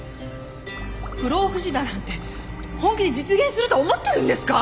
不老不死だなんて本気で実現すると思ってるんですか！？